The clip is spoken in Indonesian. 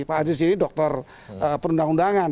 pak aziz ini dokter perundang undangan